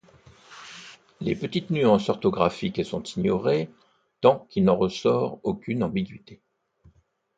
Les petites nuances orthographiques sont ignorées tant qu'il n'en ressort aucune ambiguïté.